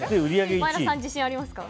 前田さん、自信ありますか？